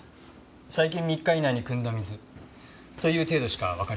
最近３日以内に汲んだ水という程度しかわかりません。